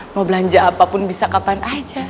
mau belanja apapun bisa kapan aja